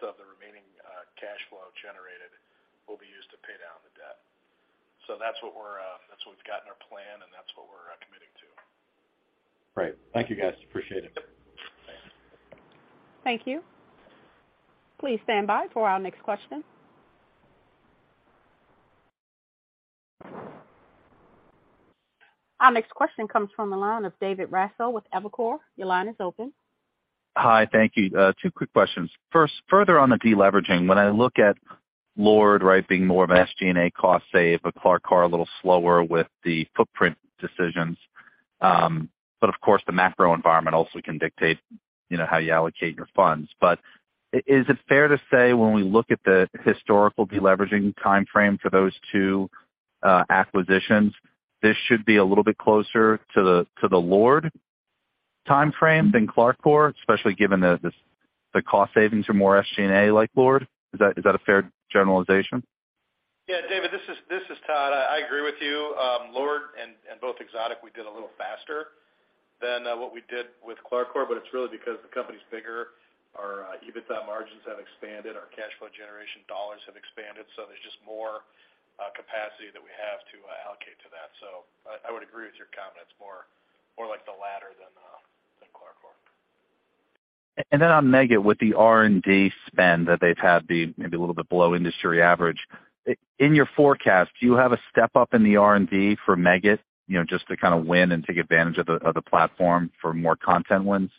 of the remaining cash flow generated will be used to pay down the debt. That's what we've got in our plan, and that's what we're committing to. Great. Thank you guys. Appreciate it. Thank you. Please stand by for our next question. Our next question comes from the line of David Raso with Evercore. Your line is open. Hi. Thank you. Two quick questions. First, further on the deleveraging, when I look at LORD, right, being more of an SG&A cost save, but CLARCOR a little slower with the footprint decisions. Of course, the macro environment also can dictate, you know, how you allocate your funds. Is it fair to say, when we look at the historical deleveraging timeframe for those two acquisitions, this should be a little bit closer to the LORD timeframe than CLARCOR, especially given the cost savings are more SG&A like LORD? Is that a fair generalization? Yeah, David, this is Todd. I agree with you. LORD and both Exotic, we did a little faster than what we did with CLARCOR, but it's really because the company's bigger. Our EBITDA margins have expanded, our cash flow generation dollars have expanded, so there's just more capacity that we have to allocate to that. So I would agree with your comment. It's more like the latter than CLARCOR. On Meggitt with the R&D spend that they've had, the maybe a little bit below industry average, in your forecast, do you have a step up in the R&D for Meggitt, you know, just to kinda win and take advantage of the platform for more content wins?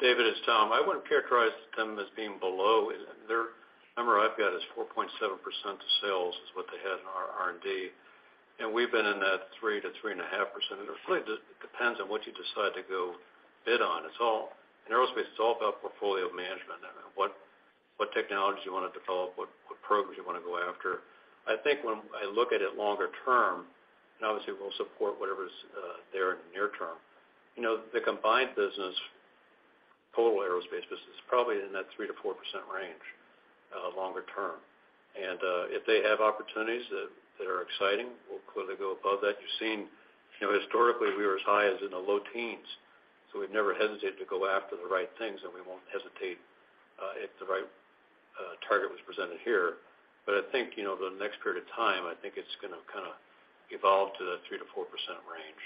David, it's Tom. I wouldn't characterize them as being below. Their number I've got is 4.7% of sales is what they had in R&D, and we've been in that 3%-3.5%. It really depends on what you decide to go bid on. It's all, in aerospace, it's all about portfolio management and what technologies you wanna develop, what programs you wanna go after. I think when I look at it longer term, and obviously we'll support whatever's there in the near term, you know, the combined business, total aerospace business is probably in that 3%-4% range longer term. If they have opportunities that are exciting, we'll clearly go above that. You've seen, you know, historically we were as high as in the low teens, so we'd never hesitate to go after the right things, and we won't hesitate, if the right, target was presented here. But I think, you know, the next period of time, I think it's gonna kinda evolve to that 3%-4%.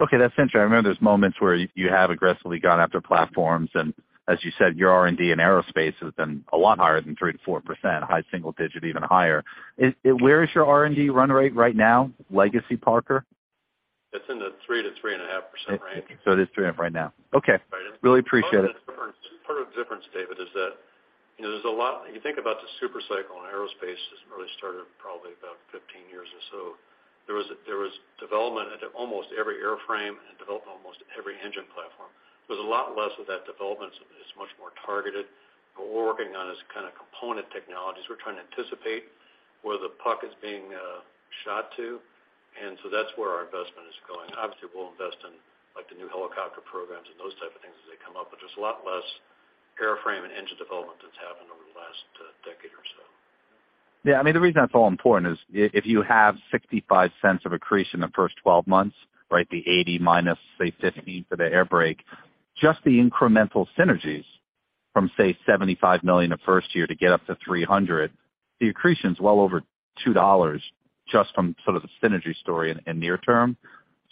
Okay, that's interesting. I remember there's moments where you have aggressively gone after platforms, and as you said, your R&D in aerospace has been a lot higher than 3%-4%, high single-digit%, even higher. Where is your R&D run rate right now, legacy Parker? It's in the 3%-3.5% range. It is 3.5 right now. Okay. Right. Really appreciate it. Part of the difference, David, is that, you know, there's a lot. You think about the super cycle in aerospace has really started probably about 15 years or so. There was development into almost every airframe and development almost every engine platform. There's a lot less of that development. It's much more targeted. What we're working on is kind of component technologies. We're trying to anticipate where the puck is being shot to. That's where our investment is going. Obviously, we'll invest in like the new helicopter programs and those type of things as they come up, but just a lot less airframe and engine development that's happened over the last decade or so. Yeah, I mean, the reason that's all important is if you have $0.65 of accretion in the first 12 months, right, the -$80, say, $15 for the air brake, just the incremental synergies from, say, $75 million the first year to get up to $300 million, the accretion is well over $2 just from sort of the synergy story in near term.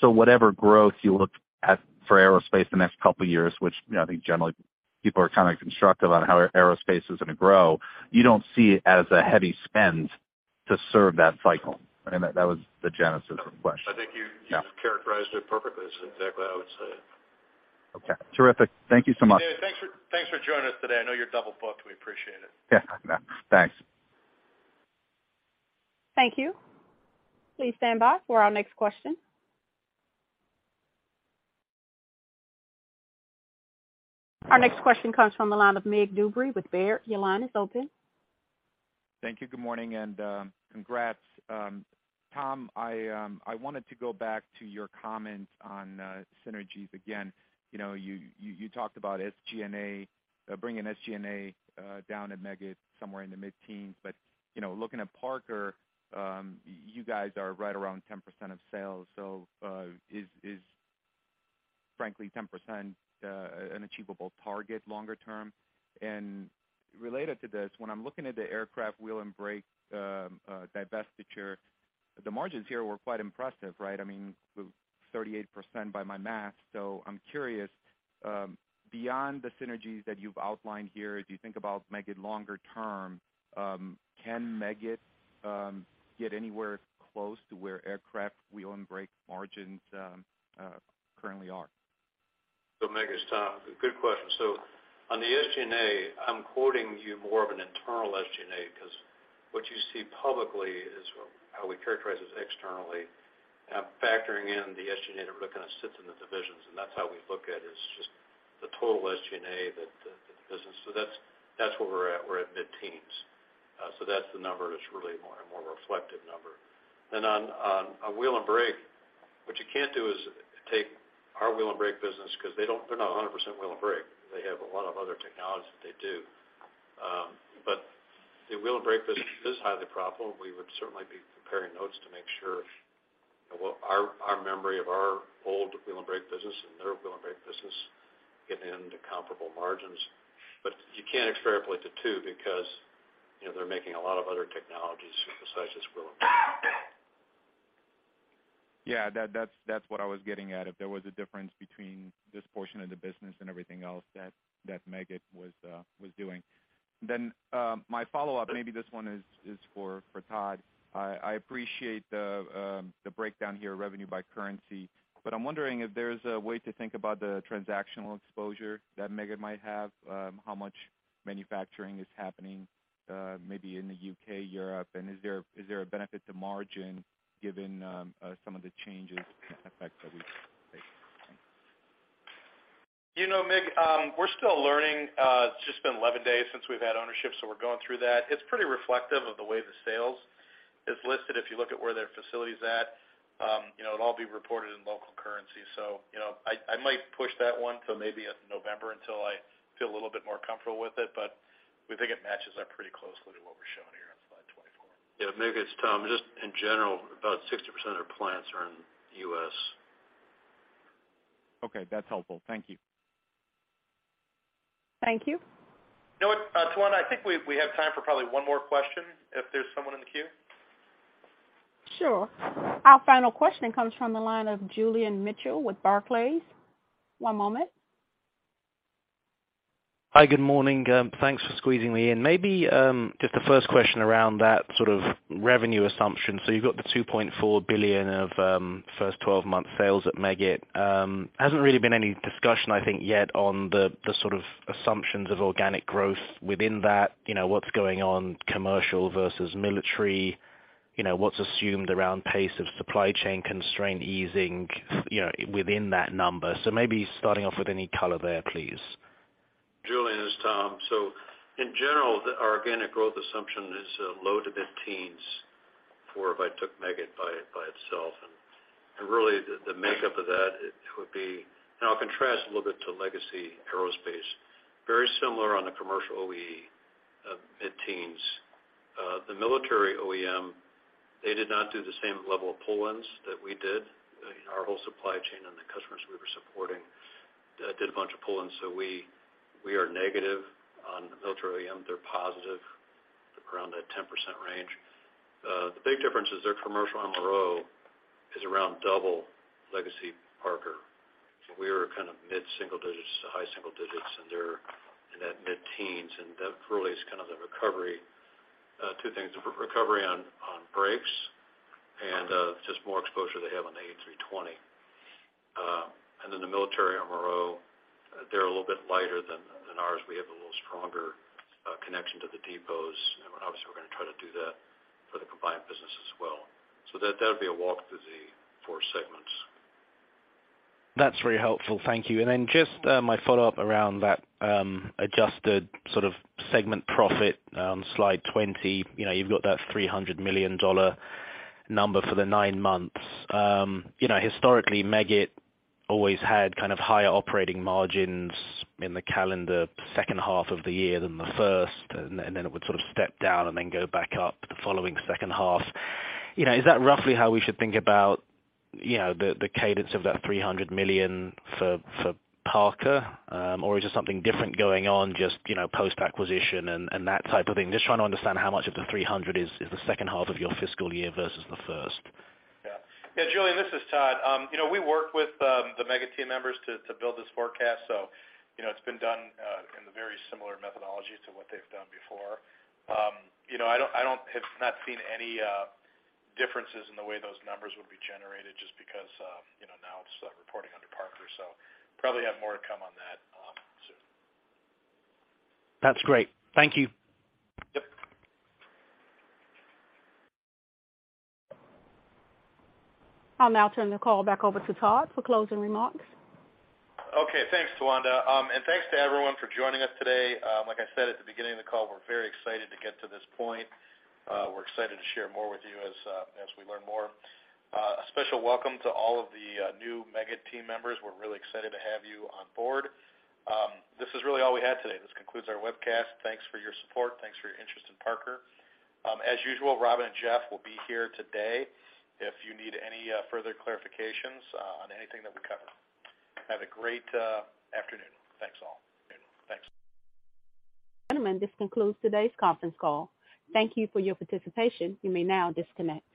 Whatever growth you look at for aerospace the next couple of years, which I think generally people are kind of constructive on how aerospace is going to grow, you don't see it as a heavy spend to serve that cycle. I mean, that was the genesis of the question. I think you. Yeah. You've characterized it perfectly. That's exactly how I would say it. Okay. Terrific. Thank you so much. Hey, David, thanks for joining us today. I know you're double booked. We appreciate it. Yeah. Thanks. Thank you. Please stand by for our next question. Our next question comes from the line of Mig Dobre with Baird. Your line is open. Thank you. Good morning, congrats. Tom, I wanted to go back to your comment on synergies again. You know, you talked about SG&A, bringing SG&A down at Meggitt somewhere in the mid-teens. You know, looking at Parker, you guys are right around 10% of sales. Is frankly 10% an achievable target longer term? Related to this, when I'm looking at the Aircraft Wheel and Brake divestiture, the margins here were quite impressive, right? I mean, 38% by my math. I'm curious, beyond the synergies that you've outlined here, as you think about Meggitt longer term, can Meggitt get anywhere close to where Aircraft Wheel and Brake margins currently are? Mig, it's Tom. Good question. On the SG&A, I'm quoting you more of an internal SG&A, because what you see publicly is how we characterize this externally. I'm factoring in the SG&A that really kind of sits in the divisions, and that's how we look at it. It's just the total SG&A that the business. That's where we're at. We're at mid-teens. That's the number that's really more, a more reflective number. On Wheel and Brake, what you can't do is take our Wheel and Brake business because they're not 100% Wheel and Brake. They have a lot of other technologies that they do. The Wheel and Brake business is highly profitable. We would certainly be comparing notes to make sure, you know, our memory of our old Wheel and Brake business and their Wheel and Brake business get into comparable margins. You can't extrapolate the two because, you know, they're making a lot of other technologies besides just Wheel and Brake. Yeah, that's what I was getting at. If there was a difference between this portion of the business and everything else that Meggitt was doing. My follow-up, maybe this one is for Todd. I appreciate the breakdown here, revenue by currency, but I'm wondering if there's a way to think about the transactional exposure that Meggitt might have, how much manufacturing is happening, maybe in the U.K., Europe, and is there a benefit to margin given some of the changes and effects that we've seen? You know, Mig, we're still learning. It's just been 11 days since we've had ownership, so we're going through that. It's pretty reflective of the way the sales is listed. If you look at where their facility is at, you know, it'll all be reported in local currency. I might push that one to maybe November until I feel a little bit more comfortable with it, but we think it matches up pretty closely to what we're showing here on slide 24. Yeah. Mig, it's Tom. Just in general, about 60% of our plants are in the U.S. Okay. That's helpful. Thank you. Thank you. You know what, Tawanda, I think we have time for probably one more question if there's someone in the queue. Sure. Our final question comes from the line of Julian Mitchell with Barclays. One moment. Hi, good morning. Thanks for squeezing me in. Maybe just the first question around that sort of revenue assumption. You've got the $2.4 billion of first 12-month sales at Meggitt. Hasn't really been any discussion, I think, yet on the sort of assumptions of organic growth within that, you know, what's going on commercial versus military, you know, what's assumed around pace of supply chain constraint easing, you know, within that number. Maybe starting off with any color there, please. Julian, it's Tom. In general, our organic growth assumption is low to mid-teens for if I took Meggitt by itself. Really the makeup of that, it would be. I'll contrast a little bit to legacy aerospace. Very similar on the commercial OEM, mid-teens. The military OEM, they did not do the same level of pull-ins that we did. Our whole supply chain and the customers we did a bunch of pulling, so we are negative on military OEM. They're positive around the 10% range. The big difference is their commercial MRO is around double legacy Parker. We were kind of mid-single digits to high single digits, and they're in that mid-teens, and that really is kind of the recovery. Two things, recovery on brakes and just more exposure they have on the A320. The military MRO, they're a little bit lighter than ours. We have a little stronger connection to the depots and obviously we're gonna try to do that for the combined business as well. That'll be a walk through the four segments. That's very helpful. Thank you. Just my follow-up around that, adjusted sort of segment profit on slide 20. You know, you've got that $300 million number for the nine months. You know, historically, Meggitt always had kind of higher operating margins in the calendar second half of the year than the first, and then it would sort of step down and then go back up the following second half. You know, is that roughly how we should think about, you know, the cadence of that $300 million for Parker? Or is there something different going on just, you know, post-acquisition and that type of thing? Just trying to understand how much of the $300 million is the second half of your fiscal year versus the first. Yeah. Yeah, Julian, this is Todd. You know, we work with the Meggitt team members to build this forecast. You know, it's been done in a very similar methodology to what they've done before. You know, I have not seen any differences in the way those numbers would be generated just because you know, now it's reporting under Parker, so probably have more to come on that, soon. That's great. Thank you. Yep. I'll now turn the call back over to Todd for closing remarks. Okay, thanks, Tawanda. Thanks to everyone for joining us today. Like I said at the beginning of the call, we're very excited to get to this point. We're excited to share more with you as we learn more. A special welcome to all of the new Meggitt team members. We're really excited to have you on board. This is really all we had today. This concludes our webcast. Thanks for your support. Thanks for your interest in Parker. As usual, Robin and Jeff will be here today if you need any further clarifications on anything that we covered. Have a great afternoon. Thanks all. Thanks. This concludes today's conference call. Thank you for your participation. You may now disconnect.